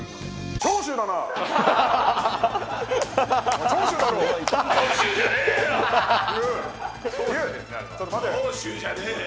長州じゃねえよ。